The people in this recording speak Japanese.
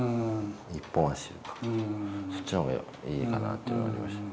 一本足、そっちのほうがいいかなというのがありました。